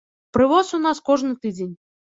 Прывоз у нас кожны тыдзень.